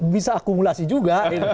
bisa akumulasi juga